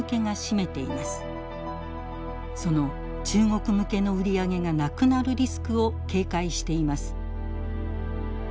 その中国向けの売り上げがなくなるリスクを警戒しています。